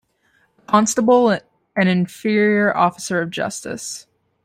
A constable an inferior officer of justice.